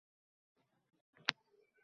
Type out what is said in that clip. Men uni kechirmadim